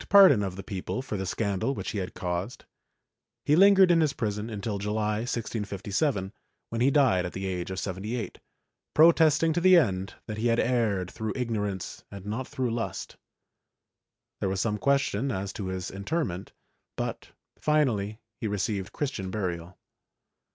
44 MYSTICISM [Book VIII pardon of the people for the scandal which he had caused; he lingered in his prison until July 1657, when he died at the age of 78, protesting to the end that he had erred through ignorance and not through lust; there was some question as to his interment, but finally he received Christian burial.